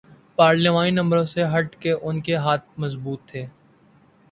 پارلیمانی نمبروں سے ہٹ کے ان کے ہاتھ مضبوط تھے۔